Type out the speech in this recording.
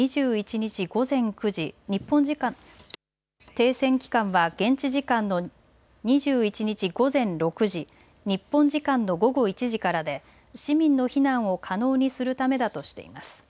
停戦期間は現地時間の２１日午前６時、日本時間の午後１時からで市民の避難を可能にするためだとしています。